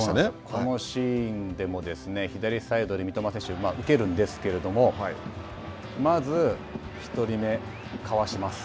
このシーンでもですね、左サイドで三笘選手が受けるんですけれども、まず、１人目、かわします。